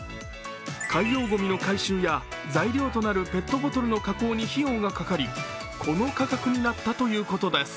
海洋ごみの回収や材料となるペットボトルの加工に費用がかかりこの価格になったということです。